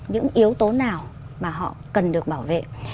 những yếu tố nào mà họ cần được bảo vệ